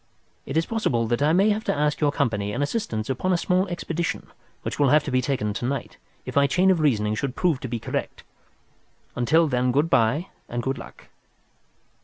It is possible that I may have to ask your company and assistance upon a small expedition which will have be undertaken to night, if my chain of reasoning should prove to be correct. Until then good bye and good luck!"